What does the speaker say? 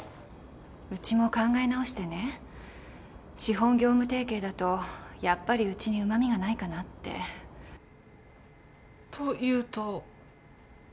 うちも考え直してね資本業務提携だとやっぱりうちにうまみがないかなって。というと？